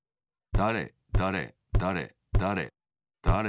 だれだれだれだれだれ